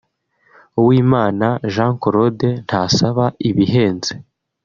Uwimana Jean Claude ntasaba ibihenze